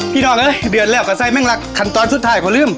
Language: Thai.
พี่น้องเอ้ยเดือดแล้วกับไส้แม่งหลักถันตอนสุดท้ายก็ลืม